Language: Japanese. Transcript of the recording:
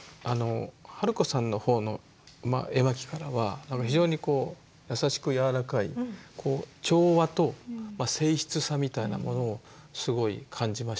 春子さんの方の絵巻からは非常に優しく柔らかい調和と静謐さみたいなものをすごい感じました。